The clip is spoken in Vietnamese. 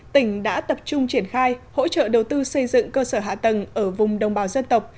tỉnh đã tập trung triển khai hỗ trợ đầu tư xây dựng cơ sở hạ tầng ở vùng đồng bào dân tộc